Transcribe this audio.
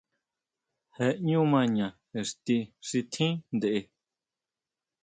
Jee ʼñú maña ixti xi tjín ntʼe.